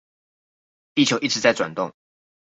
地球一直在轉動